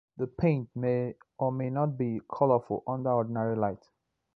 The paint may or may not be colorful under ordinary light.